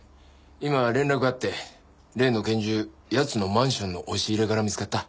今連絡あって例の拳銃奴のマンションの押し入れから見つかった。